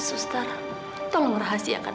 sustar tolong rahasiakan